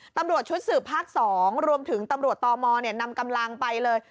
ตำรวจชุดสืบภาค๒รวมถึงตำรวจตมนำกำลังไปเลย